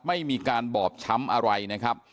ไม่มีการบอบช้ำอะไรนะครับ